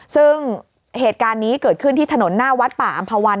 ซึ่งเหตุการณ์นี้เกิดขึ้นที่ถนนหน้าวัดป่าอำภาวัน